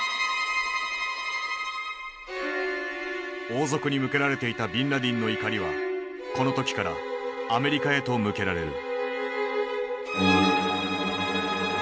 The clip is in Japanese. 王族に向けられていたビンラディンの怒りはこの時からアメリカへと向けられる。